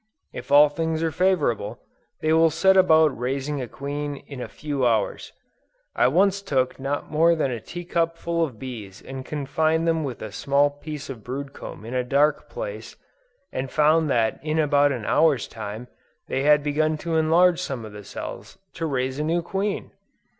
If all things are favorable, they will set about raising a queen in a few hours. I once took not more than a tea cup full of bees and confined them with a small piece of brood comb in a dark place, and found that in about an hour's time, they had begun to enlarge some of the cells, to raise a new queen!